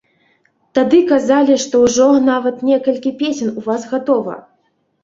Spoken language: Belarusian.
Тады казалі, што ўжо, нават, некалькі песень у вас гатова.